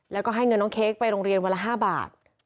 แล้วก็ให้เงินน้องเค้กไปโรงเรียนวันละ๕บาท